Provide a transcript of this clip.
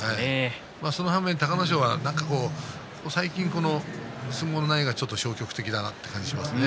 その反面、隆の勝は最近、相撲の内容が消極的だなという感じがしますね。